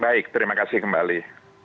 baik terima kasih kembali